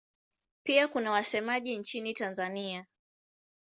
Pia kuna wasemaji nchini Tanzania.